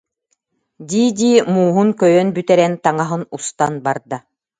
дии-дии, мууһун көйөн бүтэрэн, таҥаһын устан барда